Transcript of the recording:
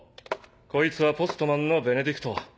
こいつはポストマンのベネディクト。